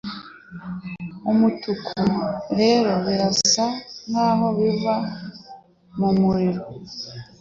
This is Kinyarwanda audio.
umutuku rero birasa nkaho biva mumuriro